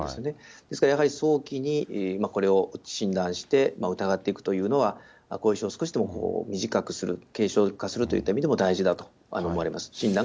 ですからやはり早期に、これを診断して疑っていくというのは、後遺症を少しでも短くする、軽症化するといった意味でも大事だと思われます。